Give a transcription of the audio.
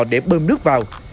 để bơm nước vào